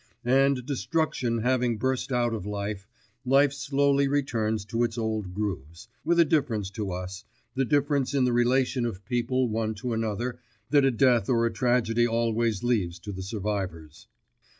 And destruction having burst out of life, life slowly returns to its old grooves with a difference to us, the difference in the relation of people one to another that a death or a tragedy always leaves to the survivors.